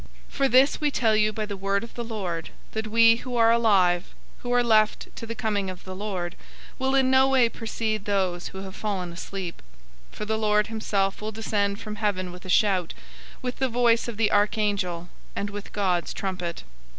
004:015 For this we tell you by the word of the Lord, that we who are alive, who are left to the coming of the Lord, will in no way precede those who have fallen asleep. 004:016 For the Lord himself will descend from heaven with a shout, with the voice of the archangel, and with God's trumpet.